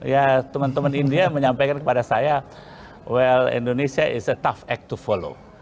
ya teman teman india menyampaikan kepada saya well indonesia is a tough act to follow